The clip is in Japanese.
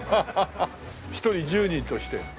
１人１０人として。